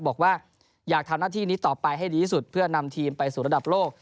บอกว่าอยากทำหน้าที่นี้ต่อไปให้ดีที่สุดเพื่อนำทีมไปสู่ระดับโลก